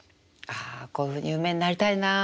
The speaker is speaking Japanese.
こういうふうに有名になりたいなあって。